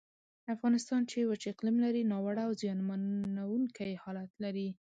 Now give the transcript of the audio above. افغانستان چې وچ اقلیم لري، ناوړه او زیانمنونکی حالت لري.